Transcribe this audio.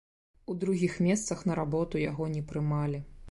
У другіх месцах на работу яго не прымалі.